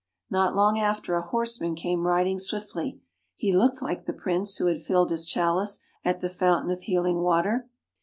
'' Not long after, a horseman came riding swiftly. He looked like the Prince who had filled his chalice at the fountain of healing water.